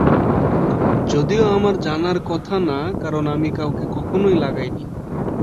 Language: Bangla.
যদিও আমার জানার কথা না কারন আমি কাউকে কখনো লাগাইনি।